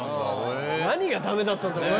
何がダメだったんだろうね今。